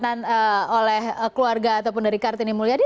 pengamanan oleh keluarga ataupun dari kartini mulyadi